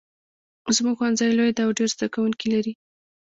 زمونږ ښوونځی لوی ده او ډېر زده کوونکي لري